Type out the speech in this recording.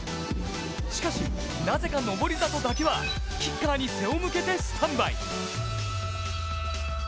しかし、なぜか登里だけはキッカーに背を向けてスタンバイ。